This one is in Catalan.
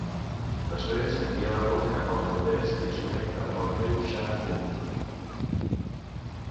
Després, canvia de rumb cap al nord-est i es connecta amb el riu Shan Pui.